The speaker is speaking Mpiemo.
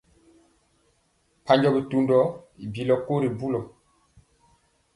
Mpanjɔ bitundɔ i bilɔ ko ri bulɔ.